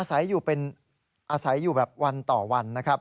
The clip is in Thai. อาศัยอยู่แบบวันต่อวัน